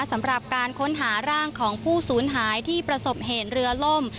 สำหรับการค้นหาร่างของผู้สูญหายที่ประสบเหตุเรือล่ม